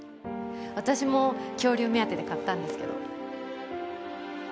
私も恐竜目当てで買ったんですけど。